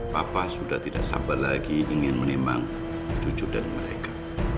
papa sudah tidak sabar lagi ingin menimbang cucu dari mereka